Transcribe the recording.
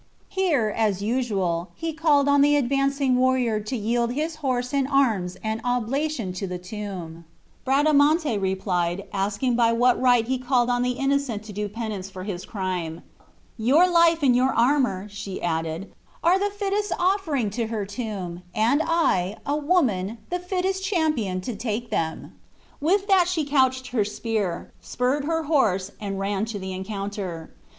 Here, as usual, he called on the advancing warrior to yield his horse and arms an oblation to the tomb. Bradamante replied, asking by what right he called on the innocent to do penance for his crime. "Your life and your armor," she added, "are the fittest offering to her tomb, and I, a woman, the fittest champion to take them." With that she couched her spear, spurred her horse, and ran to the encounter.